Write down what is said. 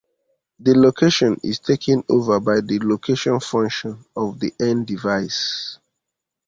The location is taken over by the location function of the end device.